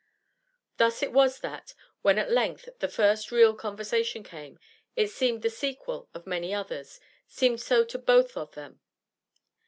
Thus it was that, when at length the first real conversation came, it seemed the sequel of many others, seemed so to both of them.